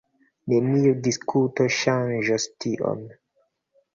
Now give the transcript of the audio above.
Neniu diskuto ŝanĝos tion.